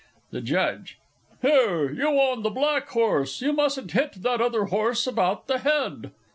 _) THE JUDGE. Here, you on the black horse, you mustn't hit that other horse about the head.